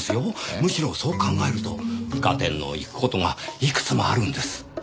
むしろそう考えると合点のいく事がいくつもあるんです。